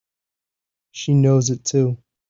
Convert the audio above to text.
She knows it too!